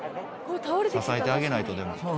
支えてあげないとでも。